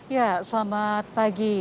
ya selamat pagi